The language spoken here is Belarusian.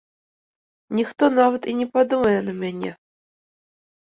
Ніхто нават і не падумае на мяне.